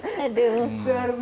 ibu ini enggak gede sih